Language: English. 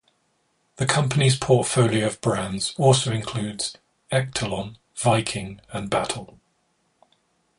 The company's portfolio of brands also includes Ektelon, Viking and Battle.